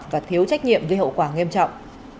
và thiếu trách nhiệm với hậu quả nghiêm trọng